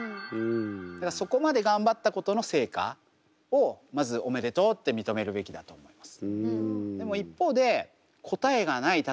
だからそこまで頑張ったことの成果をまずおめでとうって認めるべきだと思います。